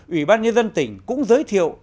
ubnd tỉnh cũng giới thiệu